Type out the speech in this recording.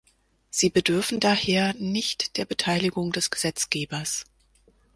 Sie bedürfen daher nicht der Beteiligung des Gesetzgebers.